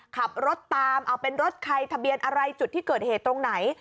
ขับรถตามเอาเป็นรถใครทะเบียนอะไรจุดที่เกิดเหตุตรงไหน